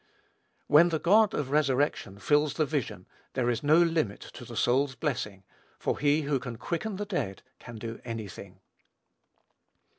When the God of resurrection fills the vision there is no limit to the soul's blessing, for he who can quicken the dead, can do any thing.